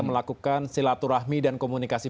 melakukan silaturahmi dan komunikasi